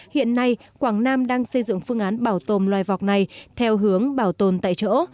hiện nay quảng nam đang xây dựng phương án bảo tồn loài vọc này theo hướng bảo tồn tại chỗ